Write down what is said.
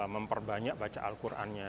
memperbanyak baca al qurannya